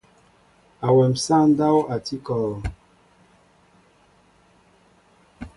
Awém sááŋ ndáw a tí kɔɔ.